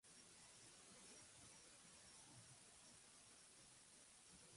Es originario de África Occidental, donde aún se cultiva, por ejemplo, en Nigeria.